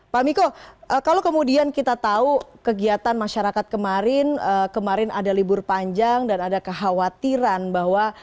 pak miko kalau kemudian kita tahu kegiatan masyarakat kemarin kemarin ada libur panjang dan ada kekhawatiran bahwa